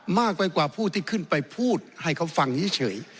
มากไปกว่าผู้ที่ขึ้นไปพูดให้เขาฟังเฉย